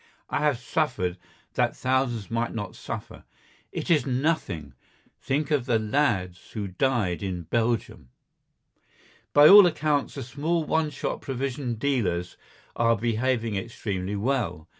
"I have suffered that thousands might not suffer. It is nothing. Think of the lads who died in Belgium." By all accounts, the small one shop provision dealers are behaving extremely well.